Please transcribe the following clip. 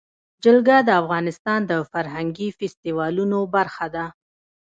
جلګه د افغانستان د فرهنګي فستیوالونو برخه ده.